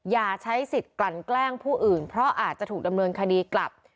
อย่าใช้สิทธิ์กลั่นแกล้งผู้อื่นเพราะอาจจะถูกดำเนินคดีกลับ